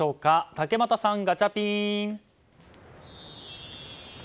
竹俣さん、ガチャピン。